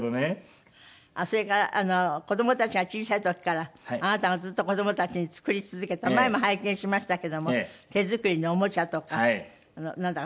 それから子どもたちが小さい時からあなたがずっと子どもたちに作り続けた前も拝見しましたけども手作りのおもちゃとかなんだか机みたいなものとか。